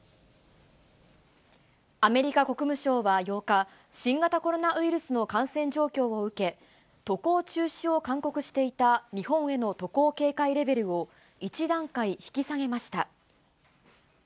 アメリカ国務省は８日、新型コロナウイルスの感染状況を受け、渡航中止を勧告していた日本への渡航警戒レベルを１段階引き下げました。